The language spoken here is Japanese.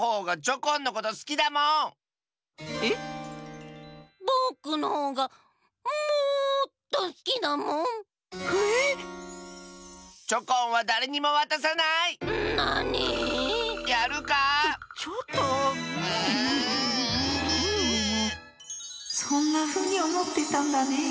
こころのこえそんなふうにおもってたんだね。